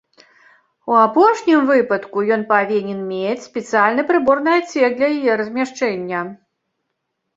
У апошнім выпадку ён павінен мець спецыяльны прыборны адсек для яе размяшчэння.